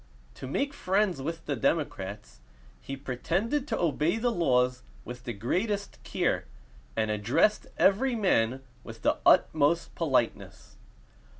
To make friends with the democrats, he pretended to obey the laws with the greatest care, and addressed every man with the utmost politeness.